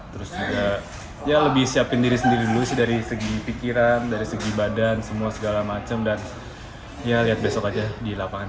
terus juga ya lebih siapin diri sendiri dulu sih dari segi pikiran dari segi badan semua segala macem dan ya lihat besok aja di lapangan